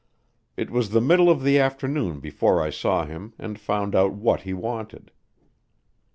It was the middle of the afternoon before I saw him and found out what he wanted.